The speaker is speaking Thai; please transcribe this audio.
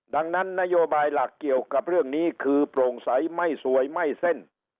ดังนั้นนโยบายหลักเกี่ยวกับเรื่องนี้คือโปร่งใสไม่สวยไม่เส้น